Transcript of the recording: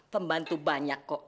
pembantu banyak kok